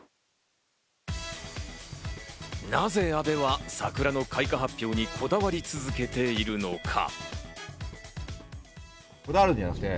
なぜ阿部は桜の開花発表にこだわり続けているのか？